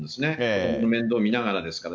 子どもの面倒見ながらですから。